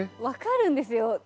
分かるんですよ。